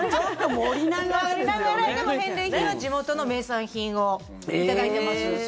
盛りながら、でも返礼品は地元の名産品を頂いています。